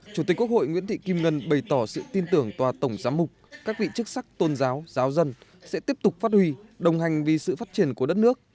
chủ tịch quốc hội nguyễn thị kim ngân bày tỏ sự tin tưởng tòa tổng giám mục các vị chức sắc tôn giáo giáo dân sẽ tiếp tục phát huy đồng hành vì sự phát triển của đất nước